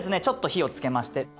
ちょっと火をつけまして。